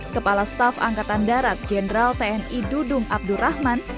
kepala staf angkatan darat jenderal tni dudung abdurrahman